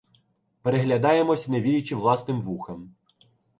Переглядаємося, не вірячи власним вухам.